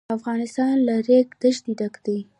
افغانستان له د ریګ دښتې ډک دی.